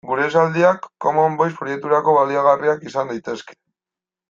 Gure esaldiak Common Voice proiekturako baliagarriak izan daitezke.